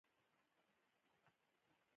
د کرنیزو وسایلو ساتنه باید منظم ترسره شي.